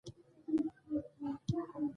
خدای پاک ډېر نوغې پيدا او بېرته د ځمکې تبی کړې.